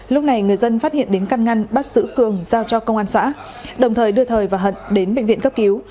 lúc này người dân phát hiện đến căn ngăn bắt giữ cường giao cho công an xã đồng thời đưa thời và hận đến bệnh viện cấp cứu